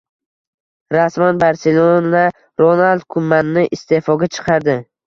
Rasman: Barselona Ronald Kumanni iste’foga chiqardi